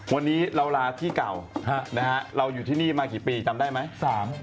วันนี้เราลาที่เก่าเราอยู่ที่นี่มากี่ปีจำได้ไหม